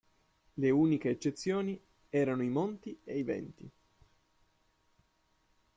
Le uniche eccezioni erano i Monti ed i Venti.